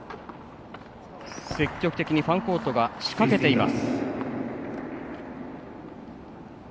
積極的にファンコートが仕掛けています。